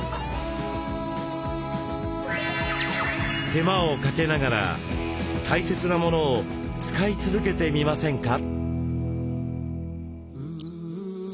手間をかけながら大切なものを使い続けてみませんか？